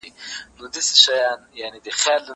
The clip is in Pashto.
که وخت وي، بوټونه پاکوم.